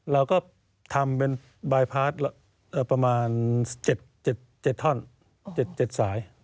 เราก็ทำเป็นบายพาร์ทประมาณ๗ท่อน๗สาย